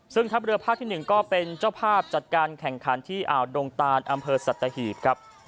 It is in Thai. ซึ่งทัพเรือภาคที่๑ก็เป็นเจ้าภาพจัดการแข่งขันที่อ่าวดงตานอำเภอสัตหีบครับ